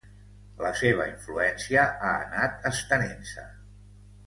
La seva influència ha anat estenent-se.